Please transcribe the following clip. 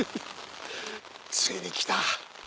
ついに来た！